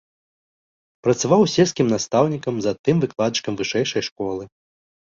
Працаваў сельскім настаўнікам, затым выкладчыкам вышэйшай школы.